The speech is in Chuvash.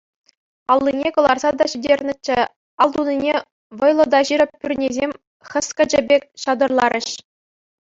Аллине кӑларса та ҫитернӗччӗ, ал тунине вӑйлӑ та ҫирӗп пӳрнесем хӗскӗчӗ пек ҫатӑрларӗҫ.